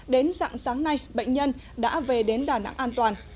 đến dạng sáng nay bệnh nhân đã về đến đà nẵng an toàn